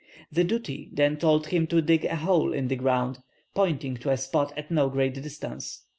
The Dooty then told him to dig a hole in the ground, pointing to a spot at no great distance.